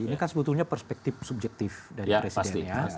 ini kan sebetulnya perspektif subjektif dari presiden ya